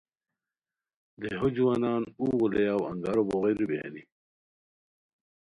دیہو جوانان اوغ اولیاؤ انگارو بوغیرو بیرانی